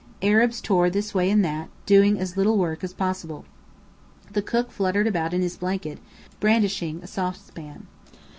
Arabs tore this way and that, doing as little work as possible. The cook fluttered about in his blanket, brandishing a saucepan.